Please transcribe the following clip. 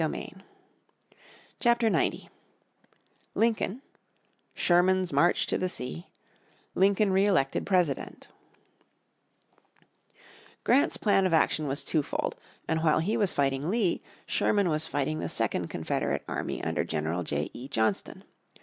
__________ Chapter 90 Lincoln Sherman's March to the Sea Lincoln Re Elected President Grant's plan of action was twofold, and while he was fighting the second Confederate army under General J.E. Johnston.